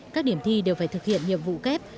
các điểm thi đều phải thực hiện nhiệm vụ kép